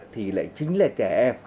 thì lại chính là trẻ em